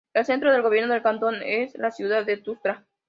El centro del gobierno del cantón es la ciudad de Tuzla.